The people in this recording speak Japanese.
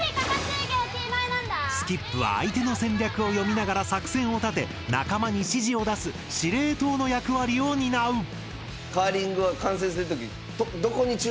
スキップは相手の戦略を読みながら作戦を立て仲間に指示を出す司令塔の役割を担う。